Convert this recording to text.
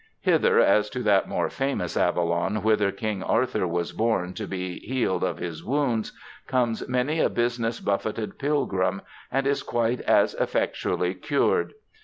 Hither as to that more famous Avalon whither King Arthur was borne to be healed of his wounds, comes many a business buffeted pilgrim and is quite as effectu ally cured.